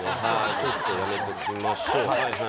ちょっとやめときましょう。